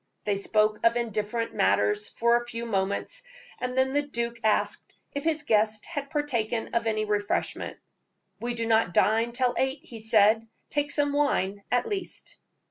They spoke of indifferent matters for some few moments, and then the duke asked if his guest had partaken of any refreshment. "We do not dine till eight," he said; "take some wine, at least."